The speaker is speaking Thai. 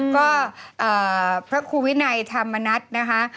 ก็พระครูวินัยธรรมนัฏนะคะ